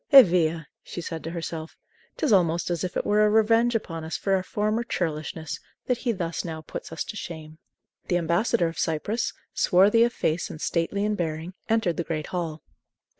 "Eh via!" she said to herself, "'t is almost as if it were a revenge upon us for our former churlishness, that he thus now puts us to shame." The ambassador of Cyprus, swarthy of face and stately in bearing, entered the great hall.